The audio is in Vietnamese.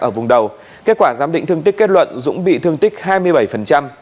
ở vùng đầu kết quả giám định thương tích kết luận dũng bị thương tích hai mươi bảy